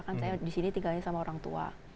kan saya di sini tinggalnya sama orang tua